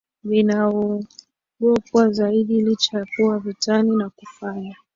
vinaogopwa zaidi Licha ya kuwa vitani na kufanya